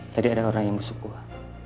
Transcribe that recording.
tadi ada orang yang besok gue